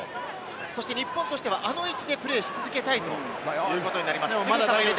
日本としてはあの位置でプレーし続けたいということになります。